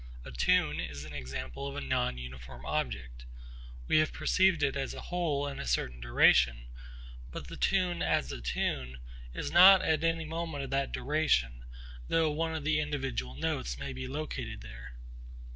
A tune is an example of a non uniform object. We have perceived it as a whole in a certain duration; but the tune as a tune is not at any moment of that duration though one of the individual notes may be located there.